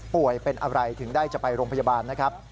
เป็นอะไรถึงได้จะไปโรงพยาบาลนะครับ